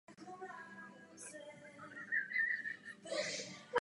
Nejdřív naučit něco velmi dobře reprezentovat data a pak až učit cílovou úlohu.